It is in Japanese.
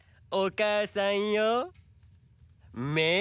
おかあさんよめ！